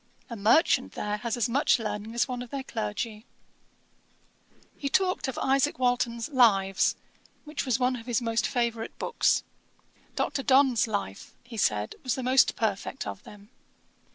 A merchant there has as much learning as one of their clergy.' He talked of Isaac Walton's Lives, which was one of his most favourite books. Dr. Donne's Life, he said, was the most perfect of them.